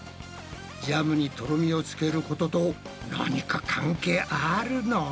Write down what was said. ジャムにとろみをつけることと何か関係あるの？